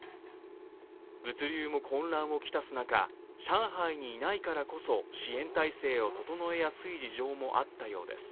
物流も混乱を来す中上海にいないからこそ支援体制を整えやすい事情もあったようです。